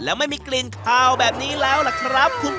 โอคค่ยอร์กรุงไมส์ภนี่ำไหน